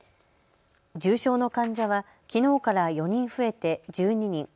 重症の患者はきのうから４人増えて１２人。